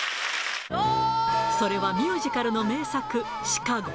それはミュージカルの名作、シカゴ。